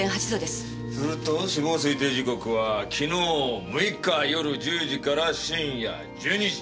すると死亡推定時刻は昨日６日夜１０時から深夜１２時。